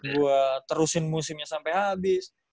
gue terusin musimnya sampai habis